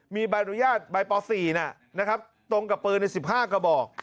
มีบรรยาทบรรยาทใบปอส๔ตรงกับปืน๑๕กระบอก